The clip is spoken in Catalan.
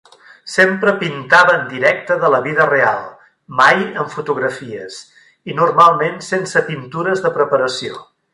Sempre pintava en directe de la vida real, mai amb fotografies, i normalment sense pintures de preparació.